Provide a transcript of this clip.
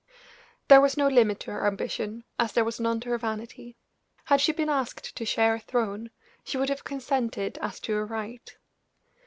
There was no limit to her ambition, as there was none to her vanity. Had she been asked to share a throne, she would have consented as to a right.